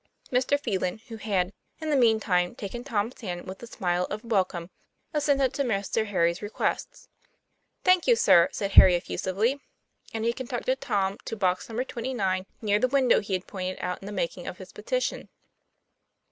Mr. Phelan, who had, in the mean time, taken Tom's hand with a smile of welcome, assented to Master Harry's requests. "Thank you, sir," said Harry effusively; and he conducted Tom to box number twenty nine, near the window he had pointed out in the making of his petition.